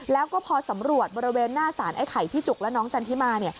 แล้วก็พอสำรวจบริเวณหน้าสารไอ้ไข่พี่จุกและน้องจันทิมา